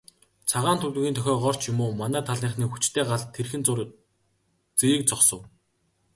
Цагаан тугийн дохиогоор ч юм уу, манай талынхны хүчтэй гал тэрхэн зуур зэрэг зогсов.